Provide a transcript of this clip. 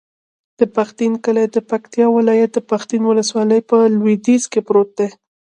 د پښتین کلی د پکتیکا ولایت، پښتین ولسوالي په لویدیځ کې پروت دی.